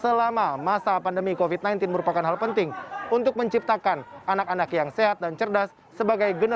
berdaulat berdekatan kepada memberikan milik bagi penyerbangan dan cara berangkat ke beberapa negara